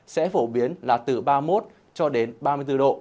sẽ phổ biến là từ ba mươi một cho đến ba mươi bốn độ